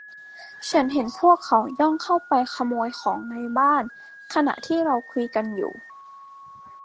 ฉันเห็นพวกเขาย่องเข้าไปขโมยของในบ้านขณะที่เราคุยกันอยู่